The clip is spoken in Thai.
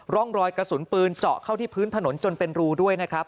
ร่องรอยกระสุนปืนเจาะเข้าที่พื้นถนนจนเป็นรูด้วยนะครับ